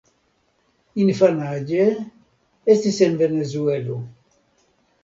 Infanaĝe, estis en Venezuelo.